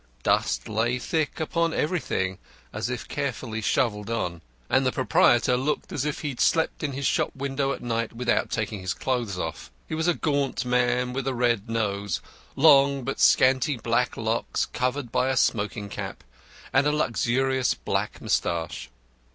Dust lay thick upon everything, as if carefully shovelled on; and the proprietor looked as if he slept in his shop window at night without taking his clothes off. He was a gaunt man with a red nose, long but scanty black locks covered by a smoking cap, and a luxuriant black moustache.